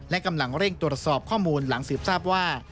และกำลังเร่งตรวจสอบข้อมูลหลังสืบทราบว่า